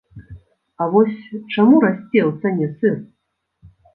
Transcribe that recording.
А вось чаму расце ў цане сыр?